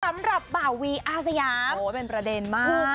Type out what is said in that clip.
สำหรับบ่าวีอาสยามโอ้โหเป็นประเด็นมาก